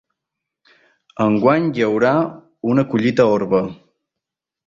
Enguany hi haurà una collita orba.